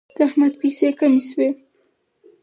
د احمد پیسې کمې شوې.